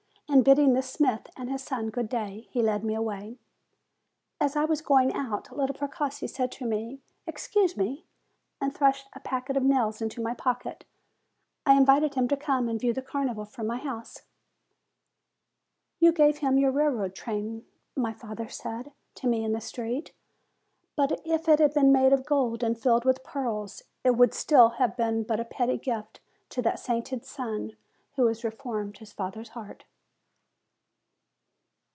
And bidding the smith and his son good day, he led me away. As I was going out, little Precossi said to me, "Excuse me," and thrust a packet of nails into my pocket. I invited him to come and view the Carnival from my house. "You gave him your railway train," my father * The Twentieth part of a cubit; Florentine measure. THE LITTLE CLOWN 145 said to me in the street; "but if it had been made of gold and filled with pearls, it would still have been but a petty gift to that sainted son, who has reformed his father's heart."